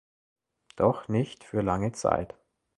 Doch nicht für lange Zeit.